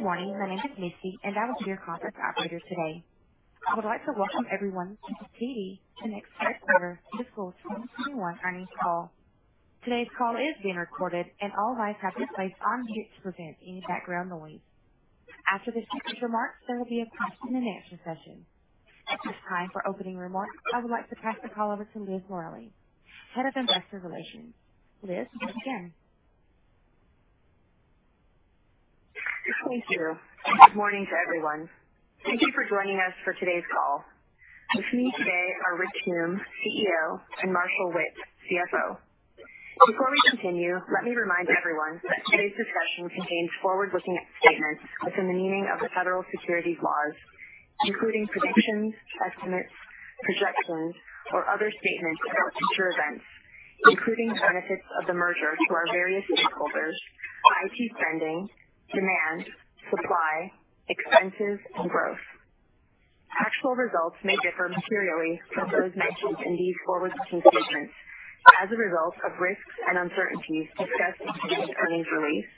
Good morning. My name is Misty, and I will be your conference operator today. I would like to welcome everyone to TD SYNNEX Third Quarter Fiscal 2021 Earnings Call. Today's call is being recorded, and all lines have been placed on mute to prevent any background noise. After the speaker's remarks, there will be a question and answer session. At this time, for opening remarks, I would like to pass the call over to Liz Morali, Head of Investor Relations. Liz, you can begin. Thank you. Good morning to everyone. Thank you for joining us for today's call. With me today are Rich Hume, CEO, Marshall Witt, CFO. Before we continue, let me remind everyone that today's discussion contains forward-looking statements within the meaning of the federal securities laws, including predictions, estimates, projections, or other statements about future events, including the benefits of the merger to our various stakeholders, IT spending, demand, supply, expenses, and growth. Actual results may differ materially from those mentioned in these forward-looking statements as a result of risks and uncertainties discussed in today's earnings release,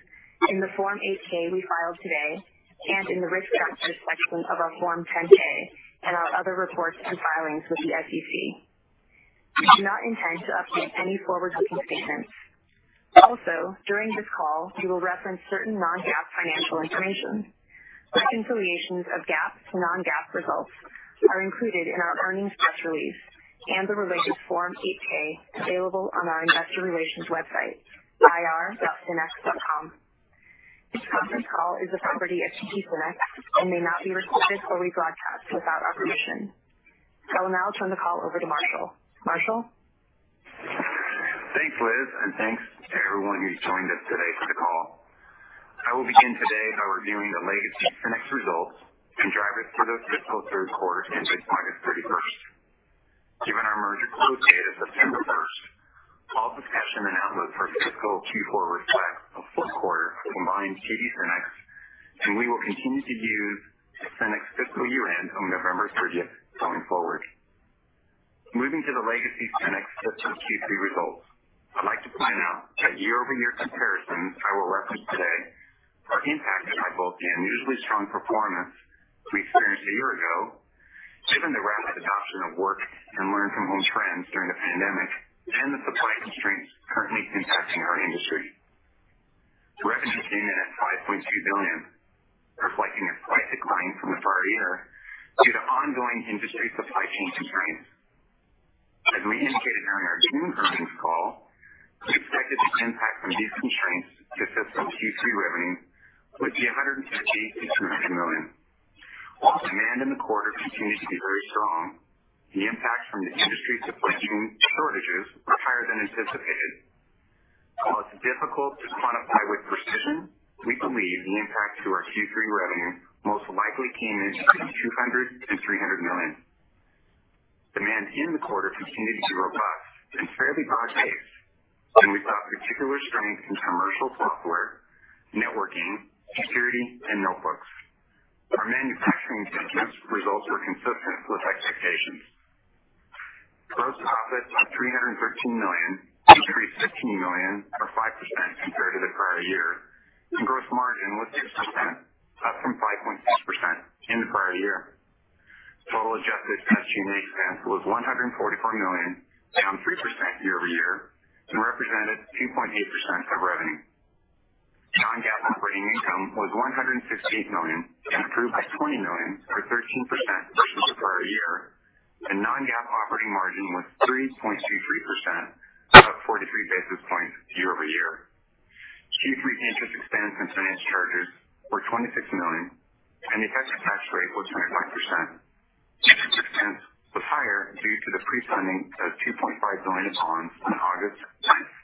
in the Form 8-K we filed today, and in the Risk Factors section of our Form 10-K and our other reports and filings with the SEC. We do not intend to update any forward-looking statements. During this call, we will reference certain non-GAAP financial information. Reconciliations of GAAP to non-GAAP results are included in our earnings press release and the related Form 8-K available on our investor relations website, ir.synnex.com. This conference call is the property of TD SYNNEX and may not be recorded or rebroadcast without our permission. I will now turn the call over to Marshall. Marshall? Thanks, Liz, and thanks to everyone who joined us today for the call. I will begin today by reviewing the legacy SYNNEX results and drivers for the fiscal third quarter ended August 31st. Given our merger close date of September 1st, all discussion and outlook for fiscal Q4 reflects a fourth quarter combined TD SYNNEX, and we will continue to use the SYNNEX fiscal year-end on November 30th going forward. Moving to the legacy SYNNEX fiscal Q3 results, I'd like to point out that year-over-year comparisons I will reference today are impacted by both the unusually strong performance we experienced a year ago, given the rapid adoption of work and learn-from-home trends during the pandemic, and the supply constraints currently impacting our industry. Revenue came in at $5.2 billion, reflecting a slight decline from the prior year due to ongoing industry supply chain constraints. As we indicated during our June earnings call, we expected the impact from these constraints to fiscal Q3 revenue would be $150 million-$200 million. While demand in the quarter continued to be very strong, the impact from the industry supply chain shortages were higher than anticipated. While it's difficult to quantify with precision, we believe the impact to our Q3 revenue most likely came in between $200 million and $300 million. Demand in the quarter continued to be robust and fairly broad-based, and we saw particular strength in commercial software, networking, security, and notebooks. Our manufacturing segment results were consistent with expectations. Gross profits of $313 million increased $16 million or 5% compared to the prior year, and gross margin was 6%, up from 5.6% in the prior year. Total adjusted SG&A expense was $144 million, down 3% year-over-year, and represented 2.8% of revenue. Non-GAAP operating income was $168 million, improved by $20 million or 13% versus the prior year, and non-GAAP operating margin was 3.23%, up 43 basis points year-over-year. Q3 interest expense and finance charges were $26 million, and the effective tax rate was 21%. Interest expense was higher due to the pre-funding of $2.5 billion of bonds on August 9th.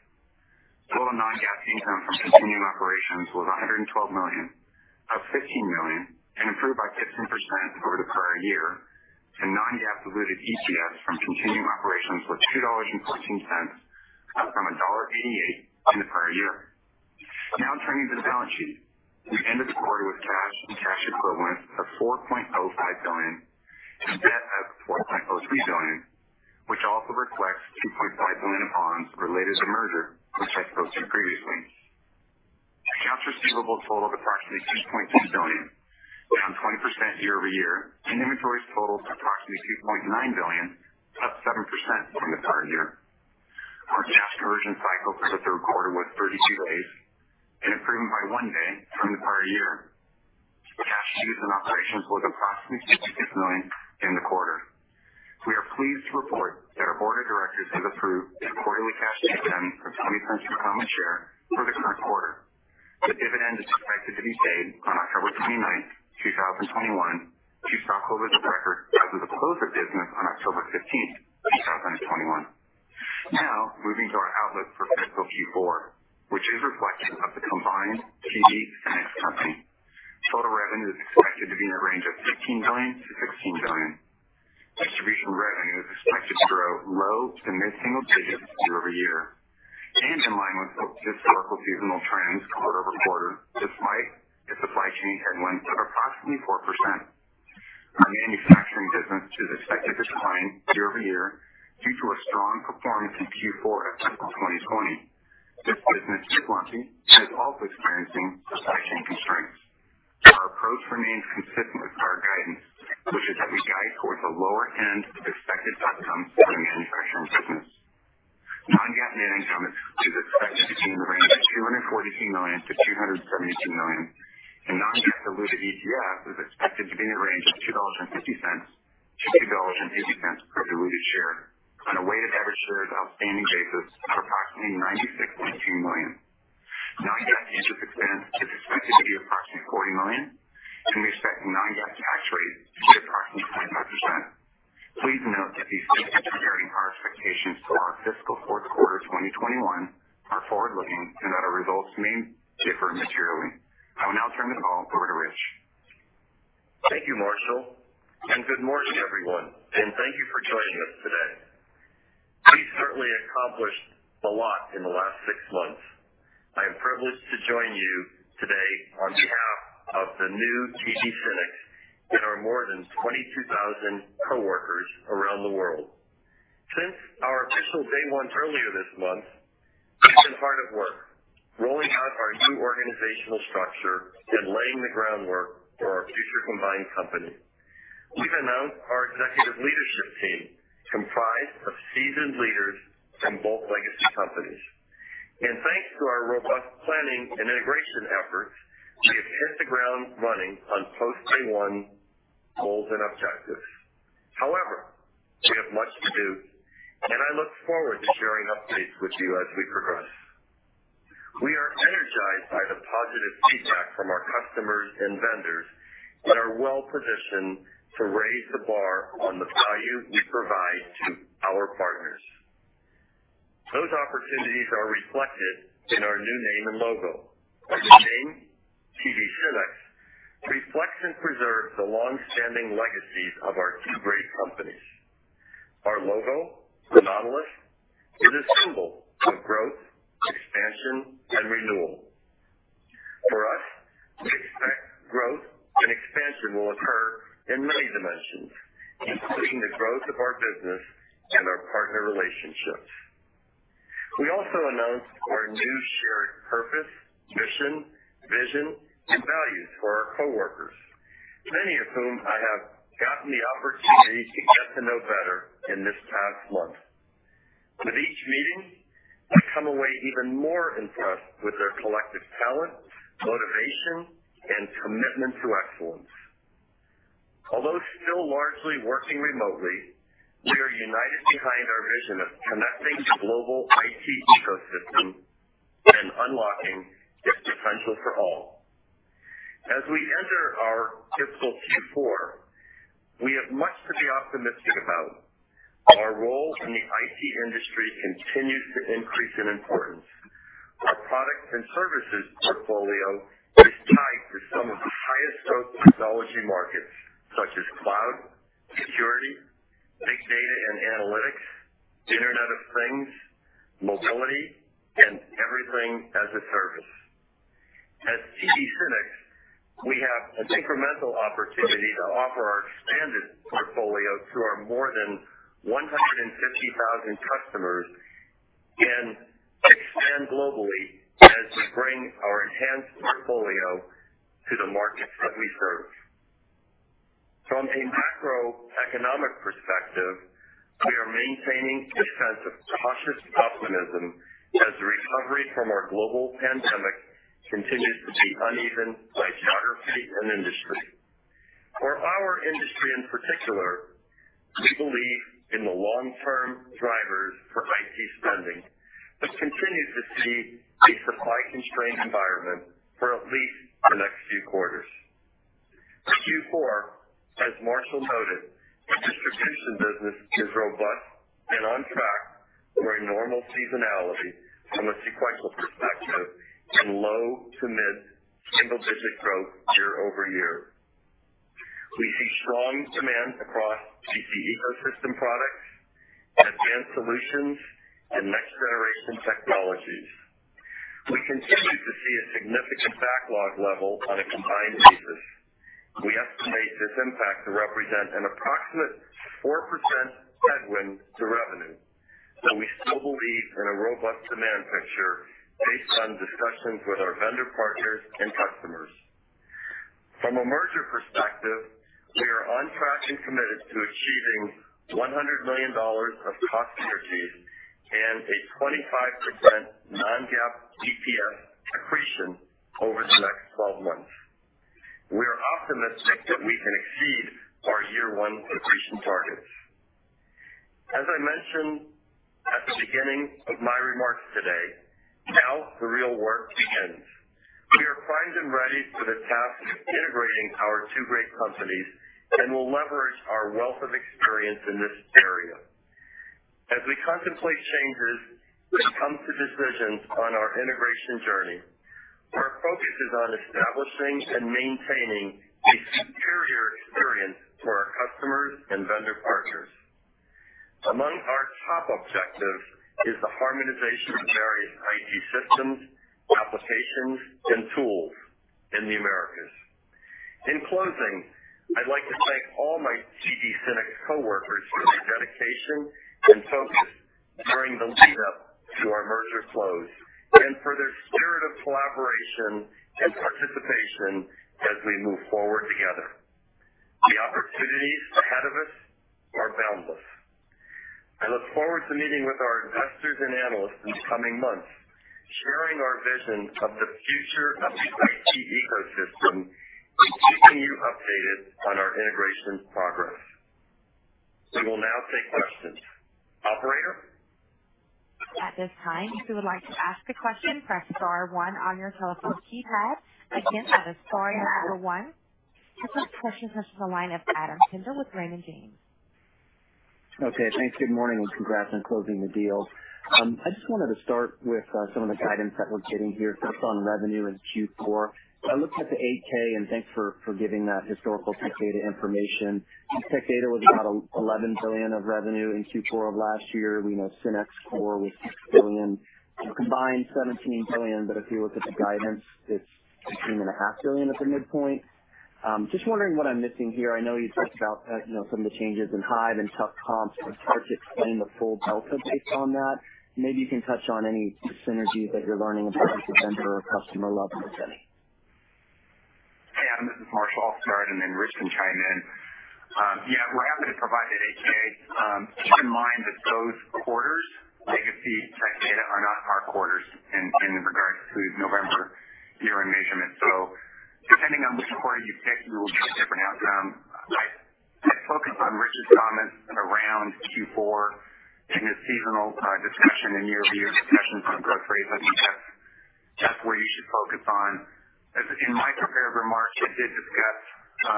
Total non-GAAP income from continuing operations was $112 million, up $15 million, and improved by 15% over the prior year, and non-GAAP diluted EPS from continuing operations was $2.14, up from $1.88 in the prior year. Now turning to the balance sheet. We end the quarter with cash and cash equivalents of $4.05 billion and debt of $4.03 billion, which also reflects $2.5 billion of bonds related to the merger, which I spoke to previously. Accounts receivable totaled approximately $2.2 billion, down 20% year-over-year, and inventories totaled approximately $2.9 billion, up 7% from the prior year. Our cash conversion cycle for the quarter was 32 days, an improvement by one day from the prior year. Cash used in operations was approximately $56 million in the quarter. We are pleased to report that our board of directors has approved a quarterly cash dividend of $0.20 per common share for the current quarter. The dividend is expected to be paid on October 29th, 2021 to stockholders of record as of the close of business on October 15th, 2021. Now, moving to our outlook for fiscal Q4, which is reflective of the combined TD SYNNEX company. Total revenue is expected to be in the range of $15 billion-$16 billion. Distribution revenue is expected to grow low to mid-single digits year-over-year and in line with historical seasonal trends quarter-over-quarter, despite the supply chain headwinds of approximately 4%. Our manufacturing year-over-year due to a strong performance in Q4 of fiscal 2020. This business is lumpy and is also experiencing supply chain constraints. Our approach remains consistent with our guidance, which is that we guide towards the lower end of expected outcomes for the manufacturing business. Non-GAAP net income is expected to be in the range of $242 million-$272 million, and non-GAAP diluted EPS is expected to be in the range of $2.50-$2.50 per diluted share on a weighted average shares outstanding basis of approximately 96.2 million. Non-GAAP interest expense is expected to be approximately $40 million, and we expect non-GAAP tax rates to be approximately 25%. Please note that these statements regarding our expectations for our fiscal fourth quarter 2021 are forward-looking, and that our results may differ materially. I will now turn the call over to Rich. Thank you, Marshall, and good morning, everyone, and thank you for joining us today. We've certainly accomplished a lot in the last six months. I am privileged to join you today on behalf of the new TD SYNNEX and our more than 22,000 coworkers around the world. Since our official day 1 earlier this month, we've been hard at work rolling out our new organizational structure and laying the groundwork for our future combined company. We've announced our executive leadership team, comprised of seasoned leaders from both legacy companies. Thanks to our robust planning and integration efforts, we have hit the ground running on post-day one goals and objectives. However, we have much to do, and I look forward to sharing updates with you as we progress. We are energized by the positive feedback from our customers and vendors and are well-positioned to raise the bar on the value we provide to our partners. Those opportunities are reflected in our new name and logo. Our new name, TD SYNNEX, reflects and preserves the longstanding legacies of our two great companies. Our logo, the nautilus, is a symbol of growth, expansion, and renewal. For us, we expect growth and expansion will occur in many dimensions, including the growth of our business and our partner relationships. We also announced our new shared purpose, mission, vision, and values for our coworkers, many of whom I have gotten the opportunity to get to know better in this past month. With each meeting, I come away even more impressed with their collective talent, motivation, and commitment to excellence. Although still largely working remotely, we are united behind our vision of connecting the global IT ecosystem and unlocking its potential for all. As we enter our fiscal Q4, we have much to be optimistic about. Our role in the IT industry continues to increase in importance. Our product and services portfolio is tied to some of the highest growth technology markets, such as cloud, security, big data and analytics, Internet of Things, mobility, and everything as a service. At TD SYNNEX, we have a incremental opportunity to offer our expanded portfolio to our more than 150,000 customers and expand globally as we bring our enhanced portfolio to the markets that we serve. From a macroeconomic perspective, we are maintaining a sense of cautious optimism as the recovery from our global pandemic continues to be uneven by geography and industry. For our industry in particular, we believe in the long-term drivers for IT spending, but continue to see a supply-constrained environment for at least the next few quarters. Q4, as Marshall noted, the distribution business is robust and on track for a normal seasonality from a sequential perspective and low to mid-single digit growth year-over-year. We see strong demand across PC ecosystem products, Advanced Solutions, and next-generation technologies. We continue to see a significant backlog level on a combined basis. We estimate this impact to represent an approximate 4% headwind to revenue, but we still believe in a robust demand picture based on discussions with our vendor partners and customers. From a merger perspective, we are on track and committed to achieving $100 million of cost synergies and a 25% non-GAAP EPS accretion over the next 12 months. We are optimistic that we can exceed our year 1 accretion targets. As I mentioned at the beginning of my remarks today, now the real work begins. We are primed and ready for the task of integrating our two great companies, and will leverage our wealth of experience in this area. As we contemplate changes and come to decisions on our integration journey, our focus is on establishing and maintaining a superior experience for our customers and vendor partners. Among our top objectives is the harmonization of various IT systems, applications, and tools in the Americas. In closing, I'd like to thank all my TD SYNNEX coworkers for their dedication and focus during the lead-up to our merger close, and for their spirit of collaboration and participation as we move forward together. The opportunities ahead of us are boundless. I look forward to meeting with our investors and analysts in the coming months, sharing our vision of the future of the IT ecosystem, and keeping you updated on our integration progress. We will now take questions. Operator? At this time, if you would like to ask a question, press star one on your telephone keypad. Our first question comes from the line of Adam Tindle with Raymond James. Okay, thanks. Good morning, congrats on closing the deal. I just wanted to start with some of the guidance that we're getting here, first on revenue in Q4. I looked at the 8-K, thanks for giving that historical Tech Data information. Tech Data was about $11 billion of revenue in Q4 of last year. We know SYNNEX core was $6 billion. Combined $17 billion, if you look at the guidance, it's $15.5 billion at the midpoint. Just wondering what I'm missing here. I know you talked about some of the changes in Hyve and tough comps. It's hard to explain the full delta based on that. Maybe you can touch on any synergies that you're learning about at the vendor or customer level, if any. Hey, Adam, this is Marshall. Sorry, I didn't reach and chime in. We're happy to provide that 8-K. Keep in mind that those quarters, legacy Tech Data, are not our quarters in regards to November year-end measurement. Depending on which quarter you pick, you will get a different outcome. I'd focus on Rich's comments around Q4 in the seasonal discussion and year-over-year discussion from growth rates. I think that's where you should focus on. In my prepared remarks, I did discuss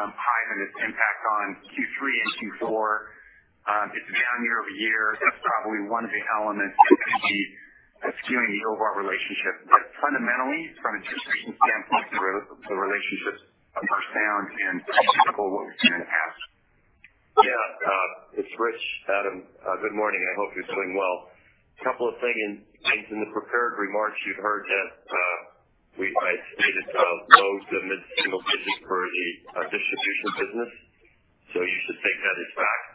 Hyve and its impact on Q3 and Q4. It's down year-over-year. That's probably one of the elements that could be skewing the overall relationship. Fundamentally, from a distribution standpoint, the relationship is profound and typical of what we've seen in the past. Yeah, it's Rich. Adam, good morning. I hope you're doing well. A couple of things. In the prepared remarks you've heard that we might have stated low to mid-single digits for the distribution business. You should take that as fact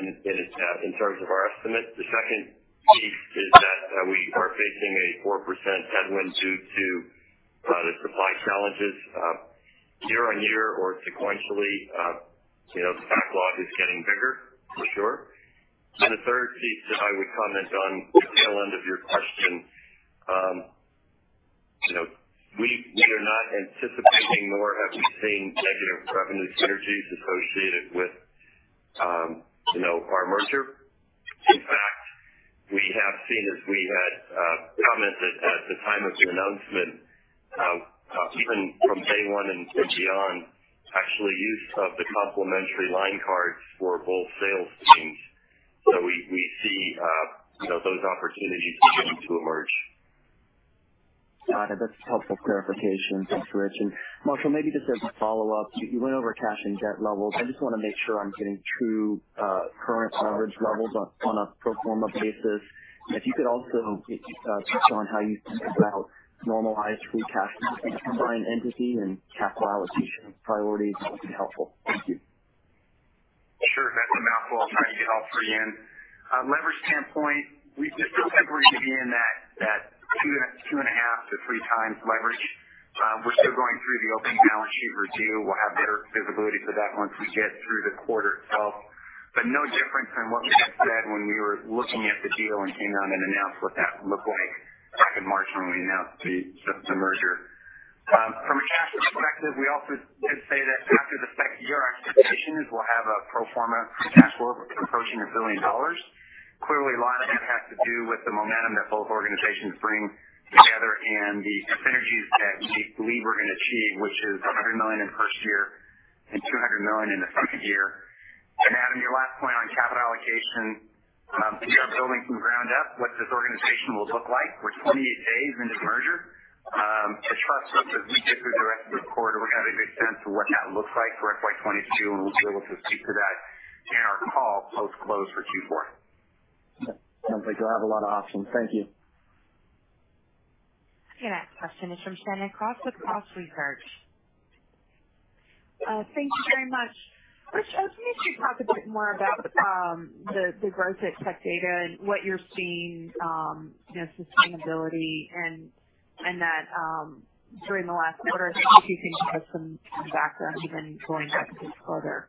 in terms of our estimate. The second piece is that we are facing a 4% headwind due to the supply challenges. Year-on-year or sequentially, the backlog is getting bigger for sure. The third piece that I would comment on the tail end of your question, we are not anticipating nor have we seen negative revenue synergies associated with our merger. In fact, we have seen, as we had commented at the time of the announcement, even from day 1 and beyond, actually use of the complementary line cards for both sales teams. We see those opportunities beginning to emerge. Got it. That's helpful clarification. Thanks, Rich. Marshall, maybe just as a follow-up, you went over cash and debt levels. I just want to make sure I'm getting true current average levels on a pro forma basis. If you could also touch on how you think about normalized free cash flow for the combined entity and capital allocation priorities, that would be helpful. Thank you. Sure. That's a mouthful I'll try to get all three in. Leverage standpoint, we still think we're going to be in that 2.5 to 3 times leverage. We're still going through the opening balance sheet review. We'll have better visibility for that once we get through the quarter itself. No difference from what we had said when we were looking at the deal and came out and announced what that would look like back in March when we announced the merger. From a cash perspective, we also did say that after the second year, our expectation is we'll have a pro forma free cash flow approaching $1 billion. Clearly, a lot of that has to do with the momentum that both organizations bring together and the synergies that we believe we're going to achieve, which is $100 million in first year and $200 million in the second year. Adam, your last point on capital allocation, we are building from ground up what this organization will look like. We're 28 days into the merger. Trust us, as we get through the rest of the quarter, we're going to have a good sense of what that looks like for FY 2022, and we'll be able to speak to that in our call post-close for Q4. Sounds like you'll have a lot of options. Thank you. The next question is from Shannon Cross with Cross Research. Thank you very much. Rich, I was wondering if you could talk a bit more about the growth at Tech Data and what you're seeing, sustainability, and that during the last quarter. If you can give us some background even going back a bit further,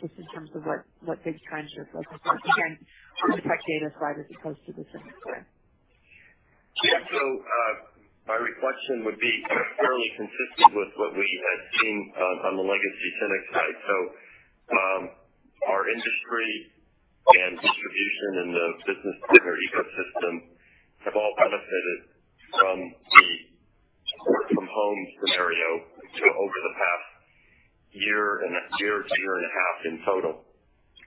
just in terms of what big trends you're focusing on. Again, from the Tech Data side as opposed to the SYNNEX side. Yeah. My reflection would be fairly consistent with what we had seen on the legacy SYNNEX side. Our industry and distribution and the business partner ecosystem have all benefited from the work-from-home scenario over the past year to year and a half in total.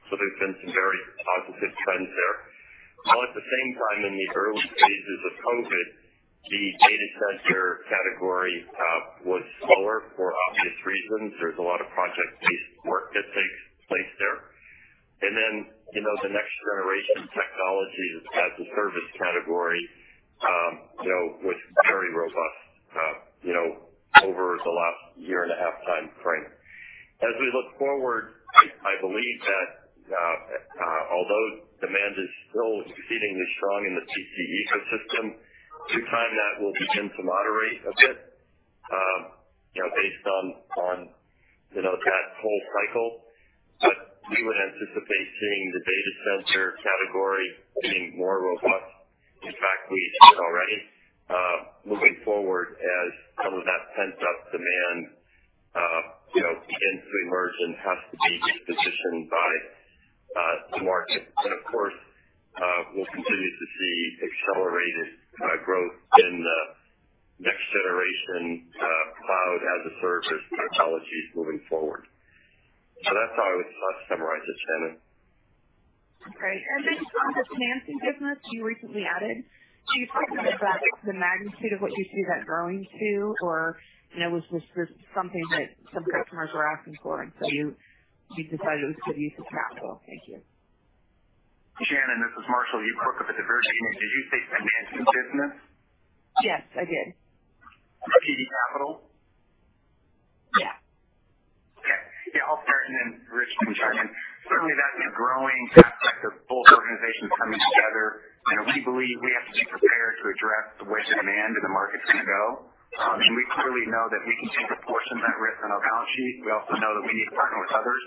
There's been some very positive trends there. Well, at the same time, in the early stages of COVID, the data center category was slower for obvious reasons. There's a lot of project-based work that takes place there. Then, the next generation of technologies as a service category was very robust over the last year and a half time frame. As we look forward, I believe that although demand is still exceedingly strong in the PC ecosystem, due time, that will begin to moderate a bit based on that whole cycle. We would anticipate seeing the data center category being more robust. In fact, we see it already. Moving forward as some of that pent-up demand begins to emerge and has to be repositioned by the market. Of course, we'll continue to see accelerated growth in the next generation cloud as a service technologies moving forward. So that's how I would summarize it, Shannon. Great. This captive financing business you recently added, do you think of that the magnitude of what you see that growing to, or was this just something that some customers were asking for, and so you decided it was good use of capital? Thank you. Shannon, this is Marshall, you broke up at diversity. Did you say financing business? Yes, I did. Captive capital? Yeah. Okay. Yeah, I'll start and then Rich can chime in. Certainly, that's a growing aspect of both organizations coming together. We believe we have to be prepared to address the way demand in the market's going to go. We clearly know that we can take a portion of that risk on our balance sheet. We also know that we need to partner with others,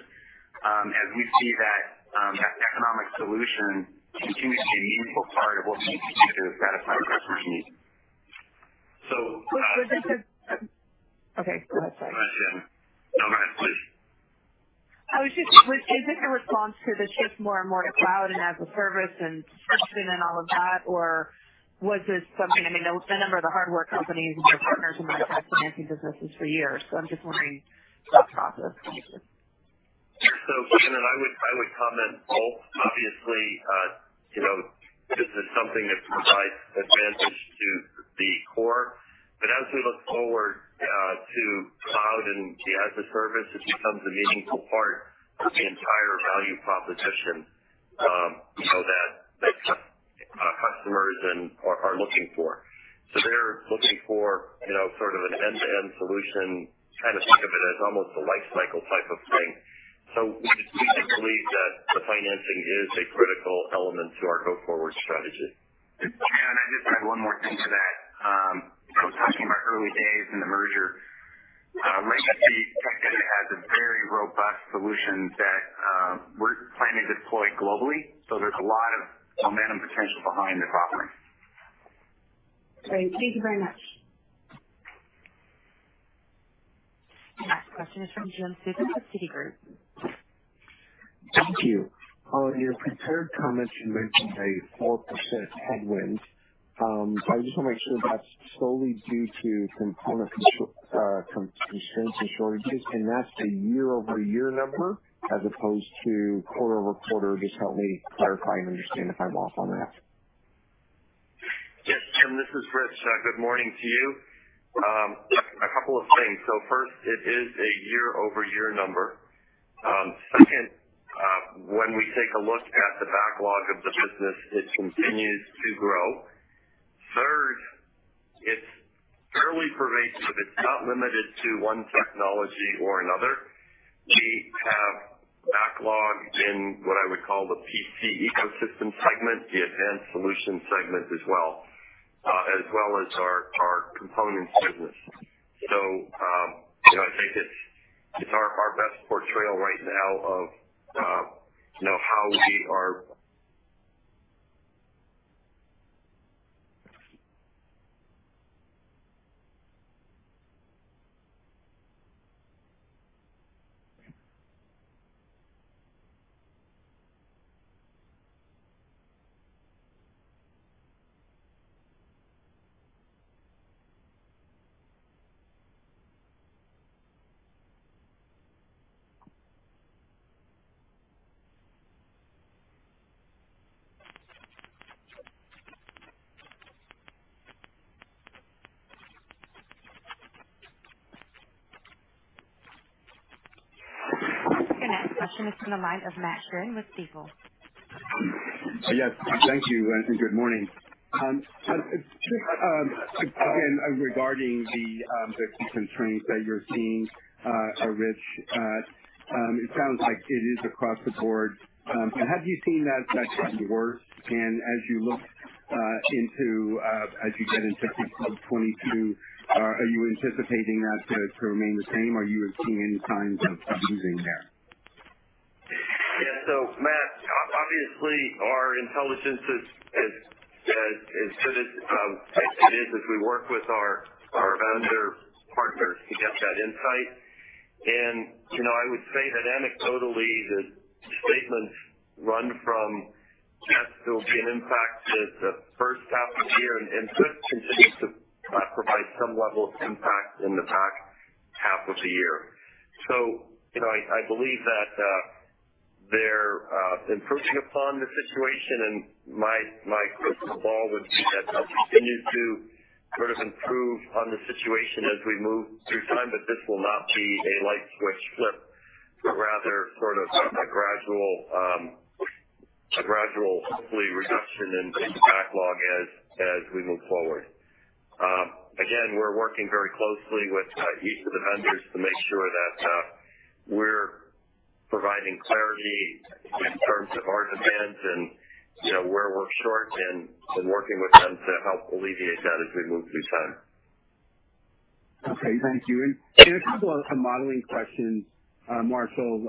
as we see that economic solution continuing to be a meaningful part of what we need to do to satisfy our customers' needs. Okay. Go ahead, sorry. No, go ahead, please. Is this a response to the shift more and more to cloud and as a service and subscription and all of that, or was this something, the number of the hardware companies have been partners in that financing businesses for years? I'm just wondering that process. Thank you. Shannon, I would comment both, obviously, this is something that provides advantage to the core, but as we look forward to cloud and the as a service, it becomes a meaningful part of the entire value proposition that customers are looking for. They're looking for sort of an end-to-end solution, kind of think of it as almost a life cycle type of thing. We believe that the financing is a critical element to our go-forward strategy. Yeah, I'd just add one more thing to that. I was talking about early days in the merger. Legacy technically has a very robust solution that we're planning to deploy globally. There's a lot of momentum potential behind the offering. Great. Thank you very much. The next question is from Jim Suva with Citigroup. Thank you. On your prepared comments, you mentioned a 4% headwind. I just want to make sure that's solely due to component constraints and shortages, and that's a year-over-year number as opposed to quarter-over-quarter. Just help me clarify and understand if I'm off on that. Yes, Jim Suva, this is Rich Hume. Good morning to you. A couple of things. First, it is a year-over-year number. Second, when we take a look at the backlog of the business, it continues to grow. Third, it's fairly pervasive. It's not limited to one technology or another. We have backlog in what I would call the PC ecosystem segment, the Advanced Solutions segment as well, as well as our components business. I think it's our best portrayal right now of how we are The next question is from the line of Matt Sheerin with Stifel. Yes. Thank you, good morning. Again, regarding the constraints that you're seeing, Rich, it sounds like it is across the board. Have you seen that getting worse? As you get into 2022, are you anticipating that to remain the same, or are you seeing any signs of easing there? Yeah. Matt, obviously our intelligence is as good as it is as we work with our vendor partners to get that insight. I would say that anecdotally, the statements run from that still being an impact that the first half of the year and could continue to provide some level of impact in the back end of the year. I believe that they're improving upon the situation, and my crystal ball would be that they'll continue to improve on the situation as we move through time. This will not be a light switch flip, but rather sort of a gradual, hopefully, reduction in backlog as we move forward. We're working very closely with each of the vendors to make sure that we're providing clarity in terms of our demands and where we're short, and working with them to help alleviate that as we move through time. Okay, thank you. A couple of modeling questions, Marshall.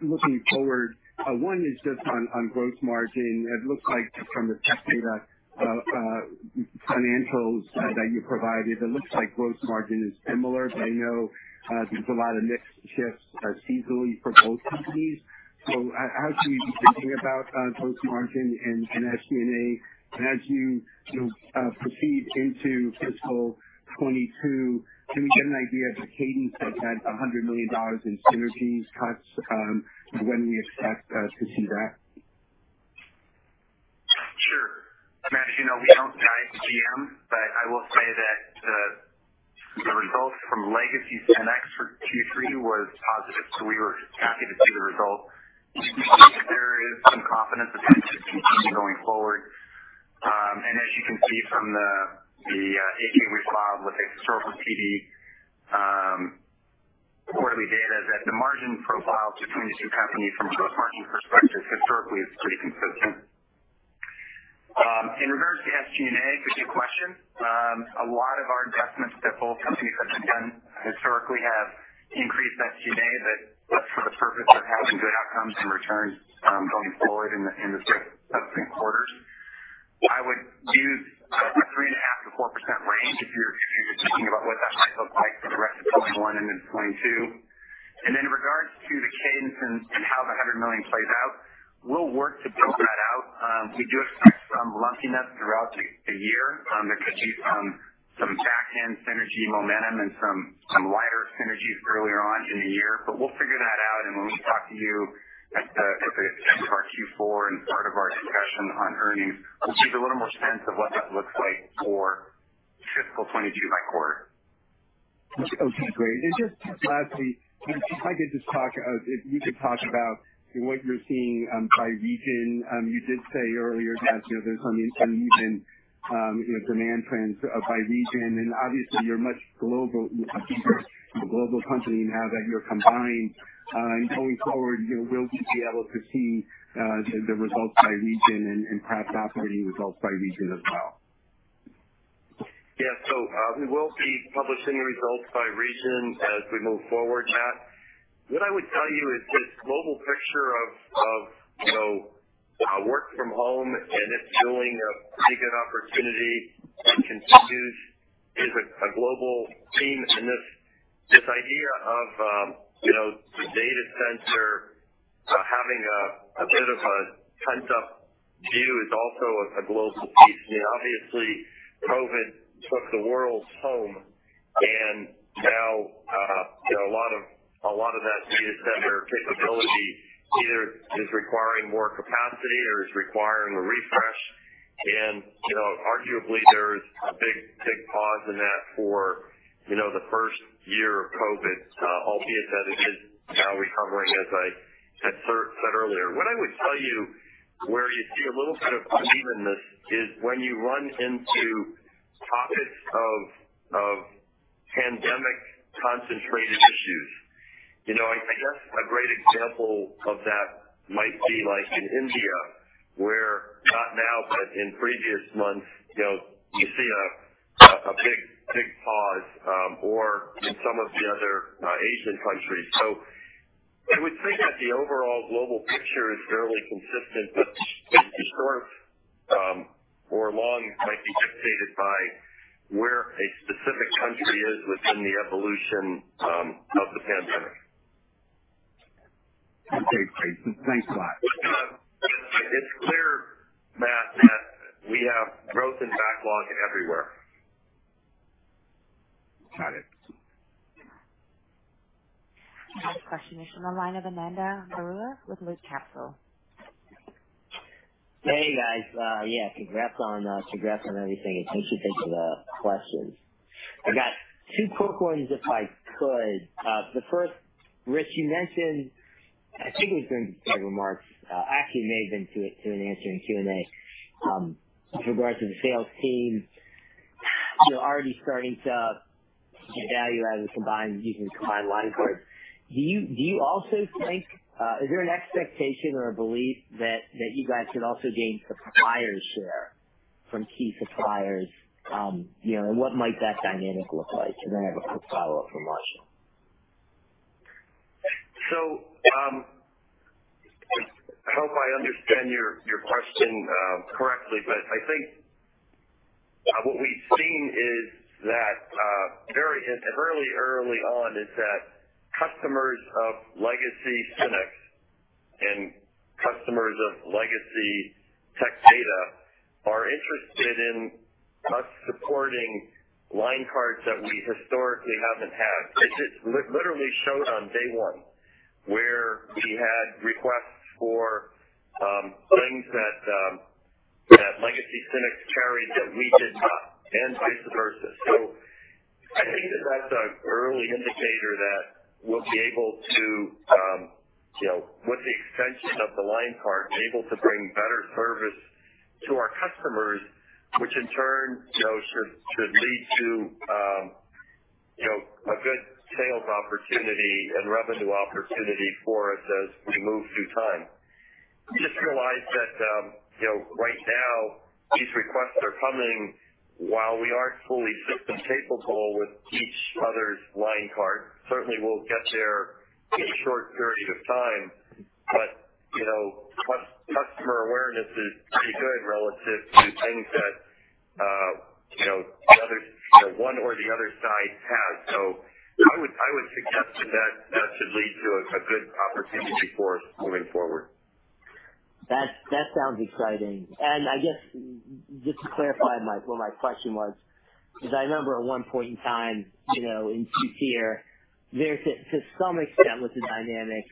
Looking forward, one is just on gross margin. It looks like from the Tech Data financials that you provided, it looks like gross margin is similar, but I know there's a lot of mix shifts seasonally for both companies. As you're thinking about gross margin and SG&A, and as you proceed into FY 2022, can we get an idea of the cadence of that $100 million in synergies cuts, and when we expect to see that? Sure. Matt Sheerin, as you know, we don't guide GM, but I will say that the results from legacy SYNNEX for Q3 was positive. We were happy to see the results. There is some confidence that that will continue going forward. As you can see from the 8-K cloud with the historical TD quarterly data, that the margin profile between the two companies from a gross margin perspective, historically, is pretty consistent. In regards to SG&A, it's a good question. A lot of our investments that both companies have done historically have increased SG&A for the purpose of having good outcomes and returns going forward in the subsequent quarters. I would use a 3.5%-4% range if you're thinking about what that might look like for the rest of 2021 and into 2022. In regards to the cadence and how the $100 million plays out, we'll work to build that out. We do expect some lumpiness throughout the year. There could be some back-end synergy momentum and some lighter synergies earlier on in the year. We'll figure that out, and when we talk to you at the end of our Q4 and part of our discussion on earnings, you'll see a little more sense of what that looks like for fiscal 2022 by quarter. Okay, great. Just lastly, if you could talk about what you're seeing by region. You did say earlier that there's some uneven demand trends by region, and obviously you're a much more global company now that you're combined. Going forward, will we be able to see the results by region and perhaps operating results by region as well? Yeah. We will be publishing results by region as we move forward, Matt. What I would tell you is this global picture of work from home, and it's doing a pretty good opportunity, continues, is a global theme, and this idea of the data center having a bit of a pent-up view is also a global theme. Obviously, COVID took the world home, now a lot of that data center capability either is requiring more capacity or is requiring a refresh. Arguably, there is a big pause in that for the first year of COVID, albeit that it is now recovering, as I said earlier. What I would tell you, where you see a little bit of unevenness is when you run into pockets of pandemic-concentrated issues. I guess a great example of that might be in India, where not now, but in previous months, you see a big pause, or in some of the other Asian countries. I would say that the overall global picture is fairly consistent, but short or long might be dictated by where a specific country is within the evolution of the pandemic. Okay, great. Thanks a lot. It's clear, Matt, that we have growth and backlog everywhere. Got it. Next question is from the line of Ananda Baruah with Loop Capital. Hey, guys. Congrats on everything, and thanks for taking the questions. I got two quick ones, if I could. The first, Rich Hume, you mentioned, I think it was in the remarks, actually it may have been to an answer in Q&A, with regards to the sales team. You're already starting to get value out of using combined line cards. Is there an expectation or a belief that you guys could also gain supplier share from key suppliers? What might that dynamic look like? I have a quick follow-up for Marshall Witt. I hope I understand your question correctly, but I think what we've seen is that very early on is that customers of legacy SYNNEX. Customers of legacy Tech Data are interested in us supporting line cards that we historically haven't had. It literally showed on day 1, where we had requests for things that legacy SYNNEX carried that we did not, and vice versa. I think that's an early indicator that, with the extension of the line card, we're able to bring better service to our customers, which in turn should lead to a good sales opportunity and revenue opportunity for us as we move through time. Just realize that right now these requests are coming while we aren't fully system capable with each other's line card. Certainly, we'll get there in a short period of time. Customer awareness is pretty good relative to things that one or the other side has. I would suggest that that should lead to a good opportunity for us moving forward. That sounds exciting. I guess, just to clarify what my question was, because I remember at one point in time, in two-tier, there to some extent was a dynamic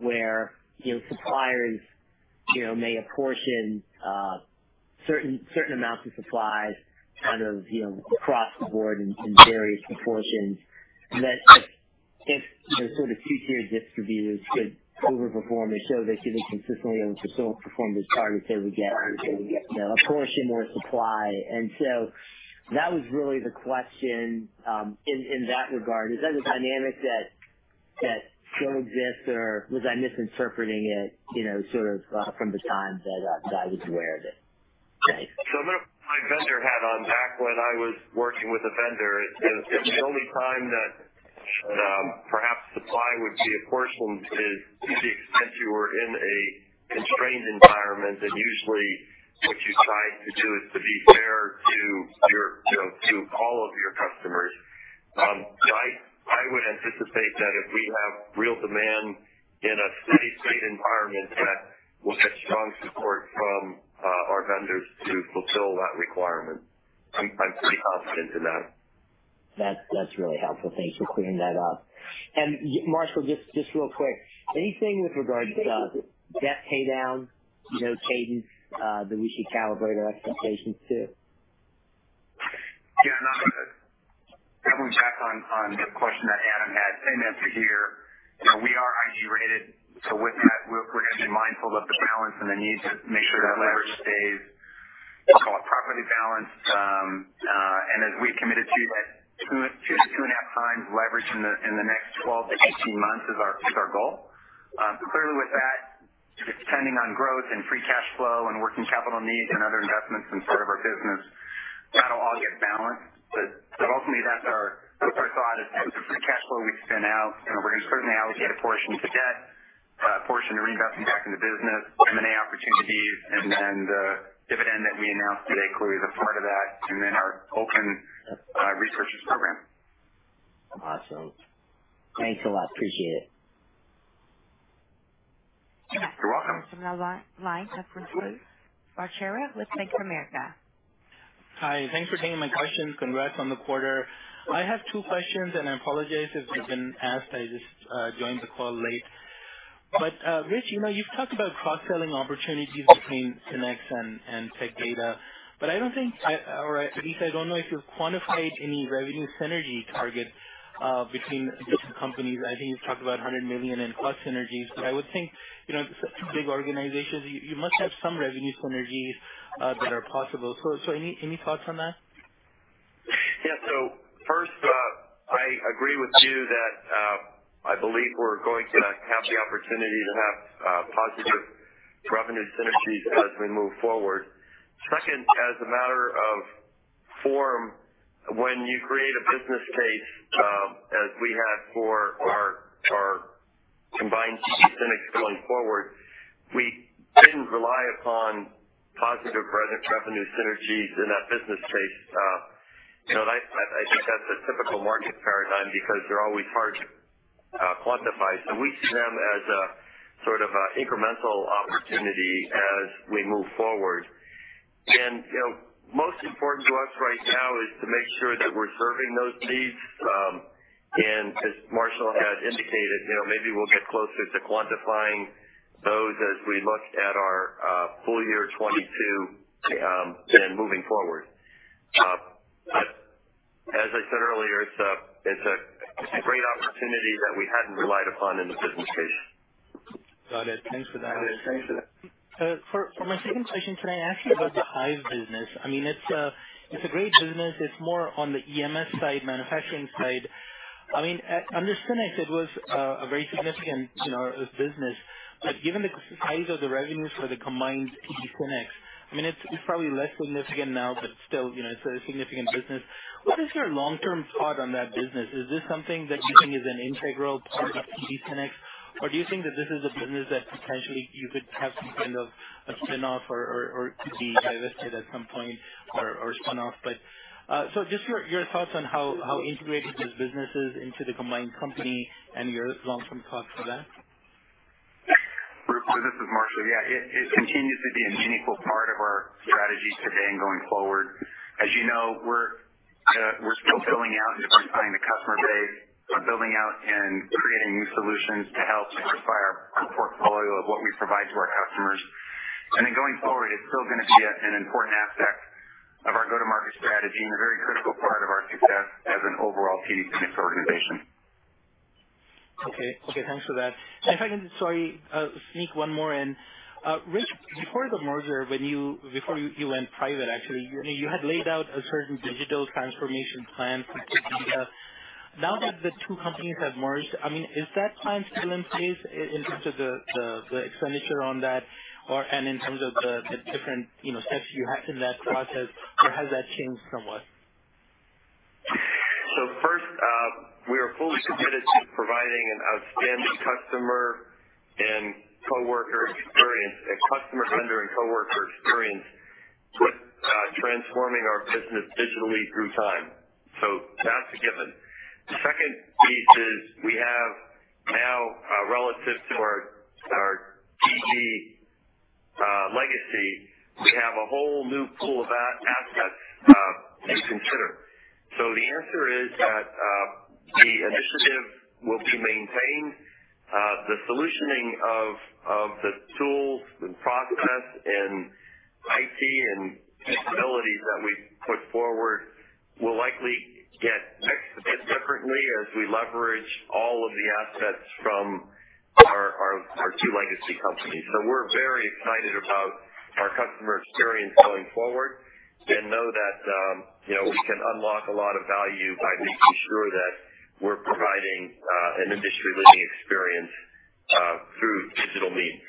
where suppliers may apportion certain amounts of supplies across the board in various proportions. That if the two-tier distributors could overperform or show they could consistently overperform the targets, they would get a portion or supply. That was really the question, in that regard. Is that a dynamic that still exists, or was I misinterpreting it from the time that I was aware of it? I'm going to put my vendor hat on. Back when I was working with a vendor, the only time that perhaps supply would be apportioned is to the extent you were in a constrained environment. Usually what you try to do is to be fair to all of your customers. I would anticipate that if we have real demand in a steady state environment, that we'll get strong support from our vendors to fulfill that requirement. I'm pretty confident in that. That's really helpful. Thanks for clearing that up. Marshall, just real quick, anything with regards to debt paydown cadence that we should calibrate our expectations to? Yeah, I'm going to definitely tack on the question that Adam Tindle had. In that two-tier, we are IG rated. With that, we're going to be mindful of the balance and the need to make sure that leverage stays, I'll call it, properly balanced. As we committed to that 2 to 2.5 times leverage in the next 12-18 months is our goal. Clearly with that, depending on growth and free cash flow and working capital needs and other investments in our business, that'll all get balanced. Ultimately, that's our thought is the free cash flow we spin out, we're going to certainly allocate a portion to debt, a portion to reinvesting back in the business, M&A opportunities, and then the dividend that we announced today clearly is a part of that, and then our open repurchase program. Awesome. Thanks a lot. Appreciate it. You're welcome. Next, from the line, we have Ruplu Bhattacharya with Bank of America. Hi. Thanks for taking my questions. Congrats on the quarter. I have two questions, and I apologize if they've been asked, I just joined the call late. Rich, you've talked about cross-selling opportunities between SYNNEX and Tech Data. I don't think, or at least I don't know if you've quantified any revenue synergy target between the two companies. I think you've talked about $100 million in cost synergies, but I would think, big organizations, you must have some revenue synergies that are possible. Any thoughts on that? Yeah. First, I agree with you that I believe we're going to have the opportunity to have positive revenue synergies as we move forward. Second, as a matter of form, when you create a business case, as we have for our combined TD SYNNEX going forward, we didn't rely upon positive revenue synergies in that business case. I think that's a typical market paradigm because they're always hard to quantify. We see them as an incremental opportunity as we move forward. Most important to us right now is to make sure that we're serving those needs. As Marshall has indicated, maybe we'll get closer to quantifying those as we look at our full year 2022, moving forward. As I said earlier, it's a great opportunity that we hadn't relied upon in the business case. Got it. Thanks for that. Yeah. Thanks for that. For my second question today, actually, about the Hyve business. It's a great business. It's more on the EMS side, manufacturing side. Under SYNNEX, it was a very significant business. Given the size of the revenues for the combined TD SYNNEX, it's probably less significant now, but still, it's a significant business. What is your long-term thought on that business? Is this something that you think is an integral part of TD SYNNEX? Do you think that this is a business that potentially you could have some kind of a spin-off or could be divested at some point or spun off? Just your thoughts on how integrated this business is into the combined company and your long-term thoughts for that. This is Marshall. Yeah, it continues to be an integral part of our strategy today and going forward. As you know, we're still building out and expanding the customer base, building out and creating new solutions to help diversify our portfolio of what we provide to our customers. Then going forward, it's still going to be an important aspect of our go-to-market strategy and a very critical part of our success as an overall TD SYNNEX organization. Okay. Thanks for that. If I can, sorry, sneak one more in. Rich, before the merger, before you went private, actually, you had laid out a certain digital transformation plan for SYNNEX. Now that the two companies have merged, is that plan still in place in terms of the expenditure on that, and in terms of the different steps you had in that process, or has that changed somewhat? First, we are fully committed to providing an outstanding customer, vendor, and coworker experience with transforming our business digitally through time. That's a given. The second piece is we have now, relative to our TD legacy, we have a whole new pool of assets to consider. The answer is that the initiative will be maintained. The solutioning of the tools, the process, and IT, and capabilities that we put forward will likely get executed differently as we leverage all of the assets from our two legacy companies. We're very excited about our customer experience going forward and know that we can unlock a lot of value by making sure that we're providing an industry-leading experience through digital means.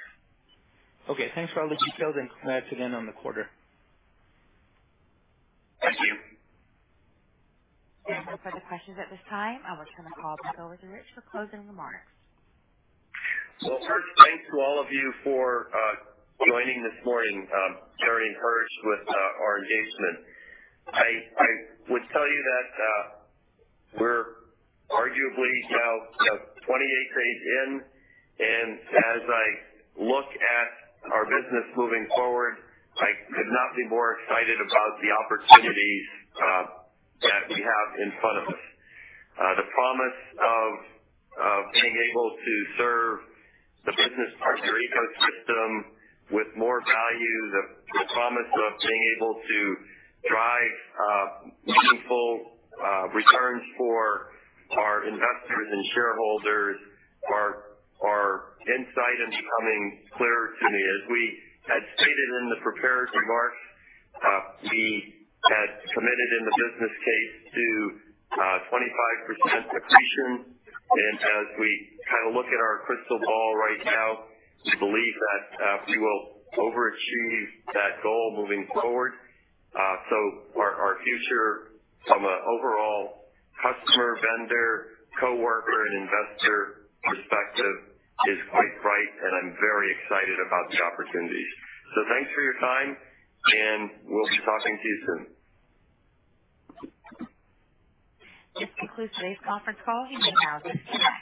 Okay. Thanks for all the details, and that's it on the quarter. Thank you. There are no further questions at this time. I would turn the call back over to Rich for closing remarks. First, thanks to all of you for joining this morning, hearing Hersh with our engagement. I would tell you that we're arguably now 28 days in, and as I look at our business moving forward, I could not be more excited about the opportunities that we have in front of us. The promise of being able to serve the business partner ecosystem with more value, the promise of being able to drive meaningful returns for our investors and shareholders, our insight is becoming clearer to me. As we had stated in the prepared remarks, we had committed in the business case to 25% accretion, and as we look at our crystal ball right now, we believe that we will overachieve that goal moving forward. Our future from an overall customer, vendor, coworker, and investor perspective is quite bright, and I'm very excited about the opportunity. Thanks for your time, and we'll be talking to you soon. This concludes today's conference call. You may now disconnect.